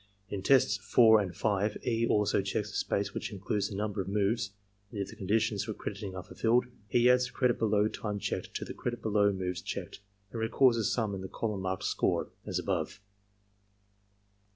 In tests 4 and 5, E. also checks the space which includes the number of moves; and, if the conditions for crediting are fulfilled, he adds the credit below time checked to the credit below moves checked and records the sum in the column marked "score," as above.